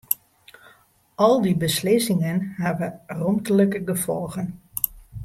Al dy beslissingen hawwe romtlike gefolgen.